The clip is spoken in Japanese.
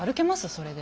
それで。